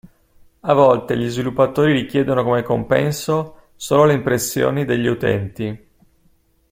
A volte gli sviluppatori richiedono come compenso solo le impressioni degli utenti.